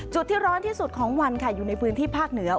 ที่ร้อนที่สุดของวันค่ะอยู่ในพื้นที่ภาคเหนือ